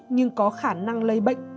nhưng có khả năng lây bệnh